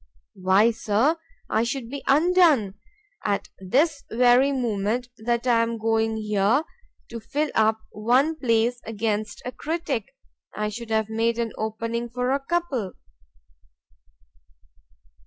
Why, Sir, I should be undone;—at this very moment that I am going here to fill up one place against a critick,—I should have made an opening for a couple.